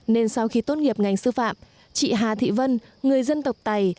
nên sau khi tốt nghiệp ngành sư phạm chị hà thị vân người dân tộc tày